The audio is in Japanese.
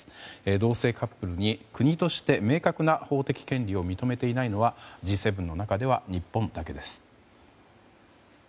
同性カップルに国として明確な法的権利を認めていないのはＧ７の中では日本だけです。